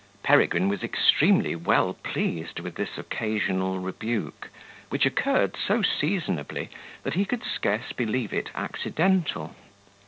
Peregrine was extremely well pleased with this occasional rebuke, which occurred so seasonably, that he could scarce believe it accidental.